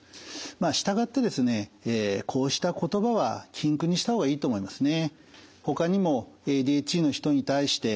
まあ従ってですねこうした言葉は禁句にした方がいいと思いますね。